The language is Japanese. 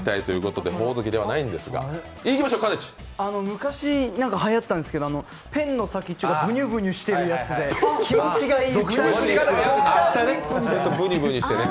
昔、はやったんですけどペンの先、ぶにゅぶにゅしているやつで、気持ちがいい。